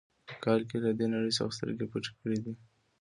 په کال کې یې له دې نړۍ څخه سترګې پټې کړې دي.